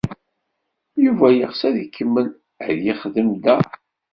Yuba yeɣs ad ikemmel ad yexdem da.